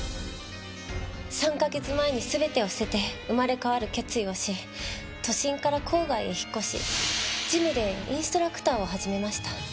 ３カ月前に全てを捨てて生まれ変わる決意をし都心から郊外へ引っ越しジムでインストラクターを始めました。